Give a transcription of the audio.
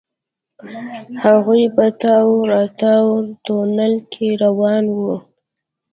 هغوئ په تاو راتاو تونل کې روان وو.